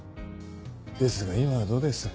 ですが今はどうです。